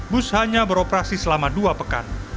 bus hanya beroperasi selama dua pekan